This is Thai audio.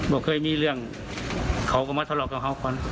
บอกเคยมีเรื่องเขาก็มาทะเลาะกับเขาก่อน